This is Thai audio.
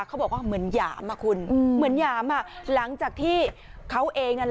เขาบอกว่าเหมือนหยามหลังจากที่เขาเอง